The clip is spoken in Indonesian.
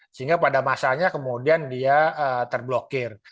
sehingga pada masanya kemudian dia terblokir